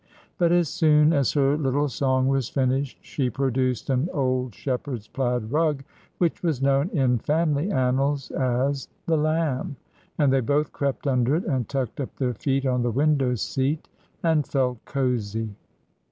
But as soon as her little song was finished she produced an old shepherd's plaid rug, which was known in family annals as "the Lamb," and they both crept under it, and tucked up their feet on the window seat, and felt cosy.